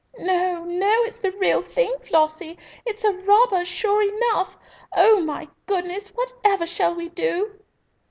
"No, no! It's the real thing, Flossie. It's a robber, sure enough. Oh, my goodness, whatever shall we do?"